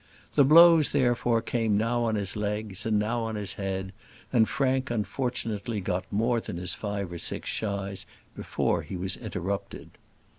The blows, therefore, came now on his legs and now on his head; and Frank unfortunately got more than his five or six shies before he was interrupted.